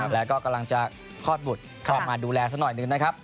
แล้วก็กำลังจะข้อทหวดคลอบมาดูแลสักหน่อยนะครับ